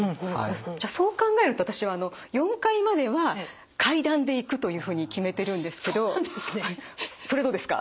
じゃあそう考えると私は４階までは階段で行くというふうに決めてるんですけどそれどうですか？